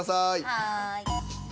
はい。